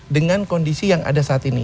dengan kondisi yang ada saat ini